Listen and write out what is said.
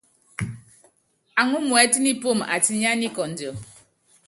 Aŋɔ́ muɛ́t nipúum atinyá nikɔndiɔ.